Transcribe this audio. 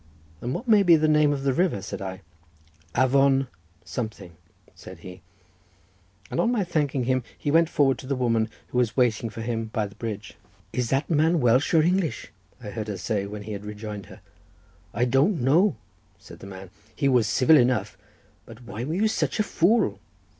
"And what may be the name of the river?" said I. "Afon — something," said he. And on my thanking him, he went forward to the woman, who was waiting for him by the bridge. "Is that man Welsh or English?" I heard her say when he had rejoined her. "I don't know," said the man—"he was civil enough; why were you such a fool?"